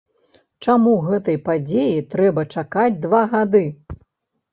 Чаму гэтай падзеі трэба чакаць два гады?